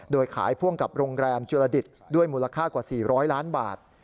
โดยขายพ่วงกับโรงแรมจุลดิตด้วยมูลค่ากว่า๔๐๐ล้านบาท